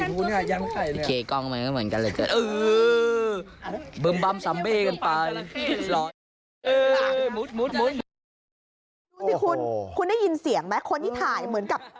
ดูสิคุณคุณได้ยินเสียงไหมคนที่ถ่ายเหมือนกับ